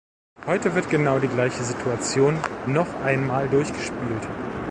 Heute wird genau die gleiche Situation noch einmal durchgespielt.